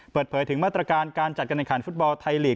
เปิดเผยถึงมาตรการการจัดการแข่งขันฟุตบอลไทยลีก